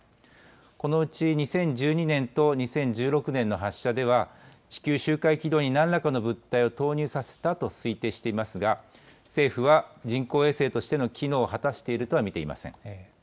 このうち２０１２年と２０１６年の発射では、地球周回軌道になんらかの物体を投入させたと推定していますが、政府は人工衛星としての機能を果たしているとは見ていません。